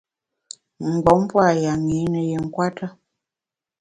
Mgbom pua’ yanyi ne yi nkwete.